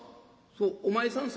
「そうお前さん